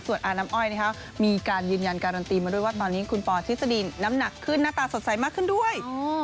ส่วนอาน้ำอ้อยมีการยืนยันการันตีมาด้วยว่าตอนนี้คุณปอทฤษฎินน้ำหนักขึ้นหน้าตาสดใสมากขึ้นด้วย